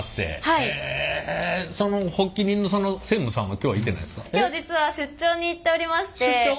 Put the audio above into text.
今日実は出張に行っておりまして。